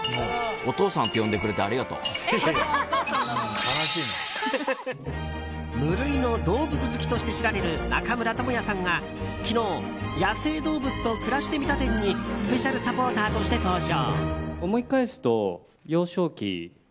お父さんって呼んでくれて無類の動物好きとして知られる中村倫也さんが昨日「野生動物と暮らしてみたら展」にスペシャルサポーターとして登場。